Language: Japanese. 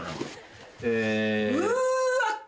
うわ！